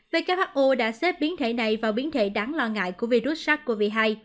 who đã xếp biến thể này vào biến thể đáng lo ngại của virus sars cov hai